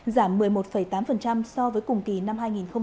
giảm một mươi một tám so với cùng kỳ năm hai nghìn hai mươi hai